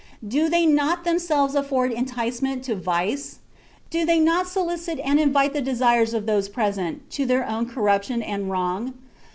Do they not themselves afford enticement to vice? Do they not solicit and invite the desires of those present to their own corruption and wrong?